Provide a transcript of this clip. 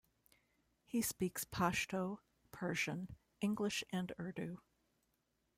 He speaks Pashto, Persian, English and Urdu.